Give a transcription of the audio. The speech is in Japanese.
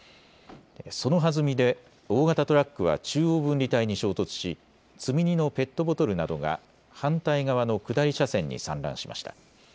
そのはずみで大型トラックは中央分離帯に衝突し積み荷のペットボトルなどが反対側の下り車線に散乱しました。